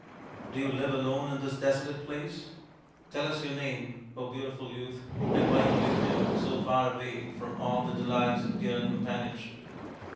" Do you live alone in this desolate place ? Tell us your name, beautiful youth, and why you live here, so far away from all the delights of dear companionship